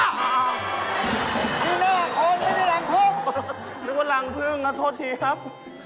นึกว่ารังพึ่งนะโทษทีครับ